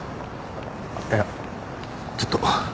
いやちょっと。